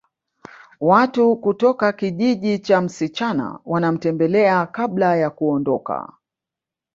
Watu kutoka kijiji cha msichana wanamtembelea kabla ya kuondoka